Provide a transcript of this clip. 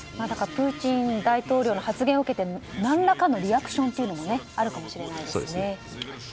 プーチン大統領の発言を受けて何らかのリアクションというのがあるかもしれないですね。